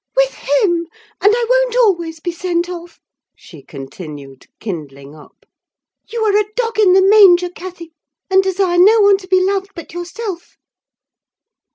"With him: and I won't be always sent off!" she continued, kindling up. "You are a dog in the manger, Cathy, and desire no one to be loved but yourself!"